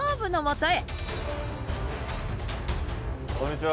こんにちは。